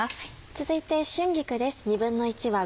続いて春菊です。